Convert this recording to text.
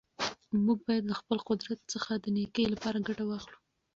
موږ باید له خپل قدرت څخه د نېکۍ لپاره ګټه واخلو.